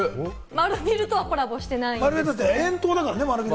丸ビルとはコラボしてません。